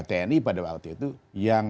tni pada waktu itu yang